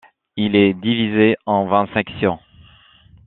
Il est divisé en vingt sections.